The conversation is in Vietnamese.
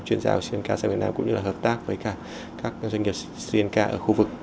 chuyên gia của sri lanka sang việt nam cũng như là hợp tác với các doanh nghiệp sri lanka ở khu vực